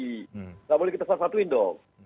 tidak boleh kita salah satuin dong